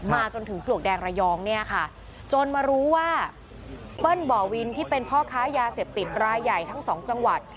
จนถึงปลวกแดงระยองเนี่ยค่ะจนมารู้ว่าเปิ้ลบ่อวินที่เป็นพ่อค้ายาเสพติดรายใหญ่ทั้งสองจังหวัด